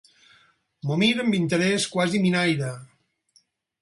M'ho miro amb interès quasi minaire.